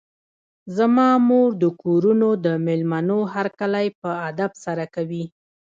زما مور د کورونو د مېلمنو هرکلی په ادب سره کوي.